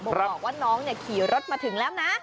บอกว่าน้องขี่รถมาถึงแล้วนะ